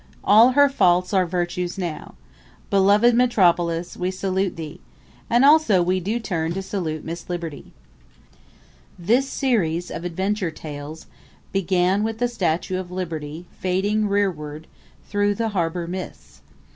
All her faults are virtues now. Beloved metropolis, we salute thee! And also do we turn to salute Miss Liberty. This series of adventure tales began with the Statue of Liberty fading rearward through the harbor mists.